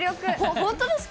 本当ですか。